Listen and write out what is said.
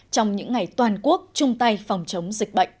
trong những ngày toàn quốc chung tay phòng chống dịch bệnh